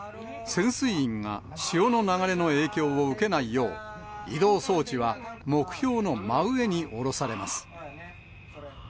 潜水員が潮の流れの影響を受けないよう、移動装置は目標の真上に降ろされます。